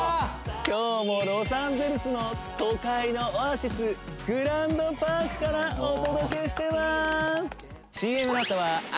今日もロサンゼルスの都会のオアシスグランドパークからお届けしてます